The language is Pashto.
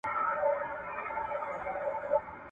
هغه هلک خپله لېوالتیا څرګندوي.